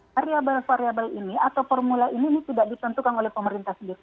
variable variable ini atau formula ini tidak ditentukan oleh pemerintah sendiri